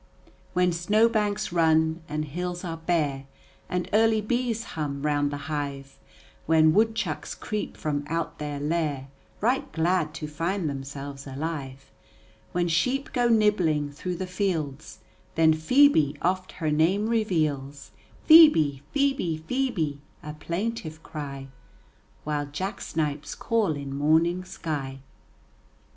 When snowbanks run, and hills are bare, And early bees hum round the hive, When woodchucks creep from out their lair Right glad to find themselves alive, When sheep go nibbling through the fields, Then Phœbe oft her name reveals, "Phœbe, Phœbe, phœbe," a plaintive cry, While jack snipes call in morning sky.